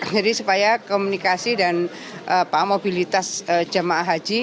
jadi supaya komunikasi dan mobilitas jamaah haji